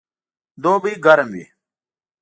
دوبئ ګرم وي